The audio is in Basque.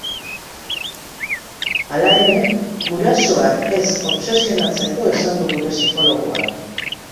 Hala ere, gurasoak es obsesionatzeko esan du gure psikologoak.